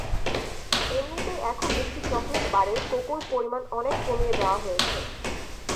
এমনিতেই এখন একটি চকলেট বারে কোকোর পরিমাণ অনেক কমিয়ে দেওয়া হয়েছে।